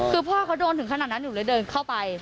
คือพ่อเขาโดนถึงขนาดนั้นหนูเลยเดินเข้าไป